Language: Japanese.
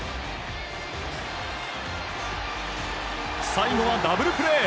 最後はダブルプレー！